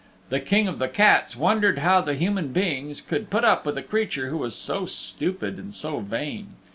The King of the Cats wondered how the human beings could put up with a creature who was so stupid and so vain.